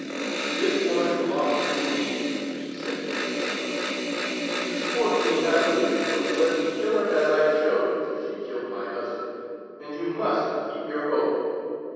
"This woman belongs to me," she said to us suddenly. "You swore to me not a week ago, to let me kill her as I chose, if she killed my husband, and you must keep your oath.